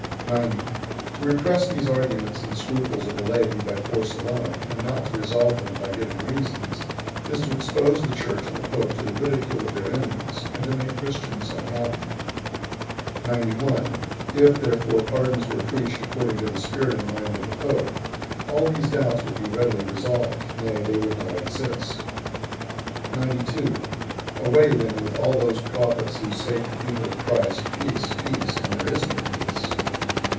90. To repress these arguments and scruples of the laity by force alone, and not to resolve them by giving reasons, is to expose the Church and the pope to the ridicule of their enemies, and to make Christians unhappy. 91. If, therefore, pardons were preached according to the spirit and mind of the pope, all these doubts would be readily resolved; nay, they would not exist. 92. Away, then, with all those prophets who say to the people of Christ, "Peace, peace," and there is no peace!